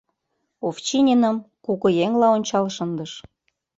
Овчининым кугыеҥла ончал шындыш.